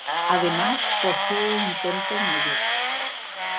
Además, posee un tempo mayor.